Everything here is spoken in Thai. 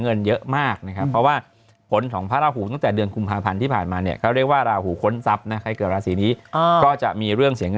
เออว่าเขาตกลงเขาเลิกกันหรือยัง